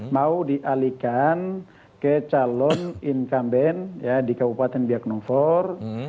mau dialihkan ke calon inkamben ya di kabupaten biak nongfor